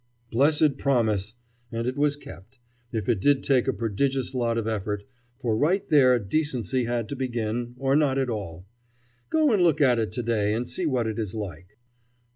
Blessed promise! And it was kept, if it did take a prodigious lot of effort, for right there decency had to begin, or not at all. Go and look at it to day and see what it is like.